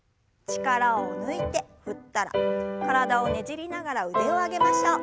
力を抜いて振ったら体をねじりながら腕を上げましょう。